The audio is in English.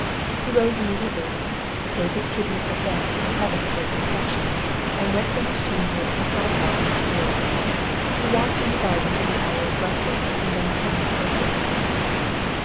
He rose immediately; paid his tribute of thanks to heaven for its protection, and went from his chamber in high health and spirits. He walked in the garden till the hour of breakfast, and then attended the Baron.